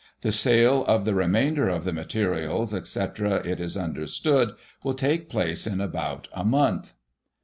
The sale of the remainder of the materials, etc, it is understood, will take place in about a month."